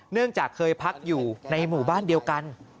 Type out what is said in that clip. เนื่องจากเคยพักอยู่ในหมู่บ้านเดียวกัน